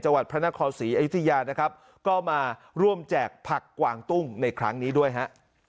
วัดพระนครศรีอยุธยานะครับก็มาร่วมแจกผักกวางตุ้งในครั้งนี้ด้วยฮะ